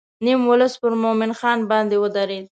نیم ولس پر مومن خان باندې ودرېد.